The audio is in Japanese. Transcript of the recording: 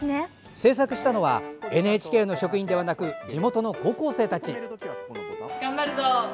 制作したのはＮＨＫ職員ではなく高校生たち。